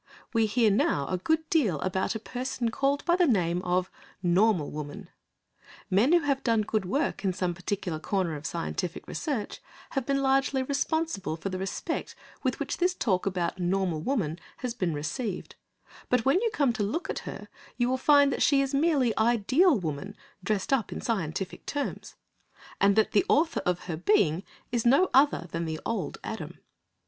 We hear now a good deal about a person called by the name of Normal Woman. Men who have done good work in some particular corner of scientific research have been largely responsible for the respect with which this talk about Normal Woman has been received, but when you come to look at her, you will find that she is merely Ideal Woman dressed up in scientific terms, and that the author of her being is no other than the Old Adam.